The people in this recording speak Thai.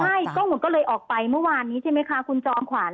อาหุ่นก็เลยออกไปเมื่อวานนี้ใช่ไหมคะคุณจอมขวัญ